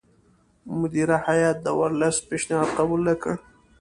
مدیره هیات د ورلسټ پېشنهاد قبول نه کړ.